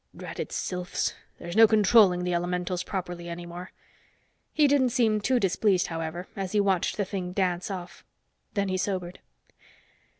"Dratted sylphs. There's no controlling the elementals properly any more." He didn't seem too displeased, however, as he watched the thing dance off. Then he sobered.